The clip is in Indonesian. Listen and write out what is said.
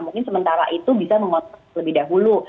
mungkin sementara itu bisa mengontrol lebih dahulu